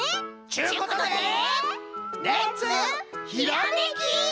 ちゅうことでレッツひらめき！